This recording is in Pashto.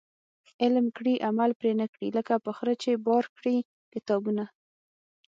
علم کړي عمل پري نه کړي ، لکه په خره چي بار کړي کتابونه